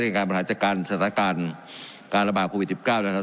ในการปัญหาจัดการสถานการณ์การระบาดโควิดสิบเก้าในรัฐ